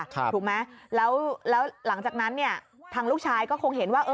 ถูกไหมแล้วหลังจากนั้นทางลูกชายก็คงเห็นว่า